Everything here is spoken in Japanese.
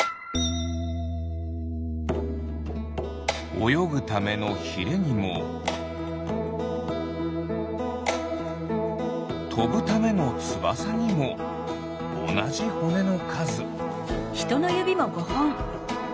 およぐためのヒレにもとぶためのつばさにもおなじほねのかず。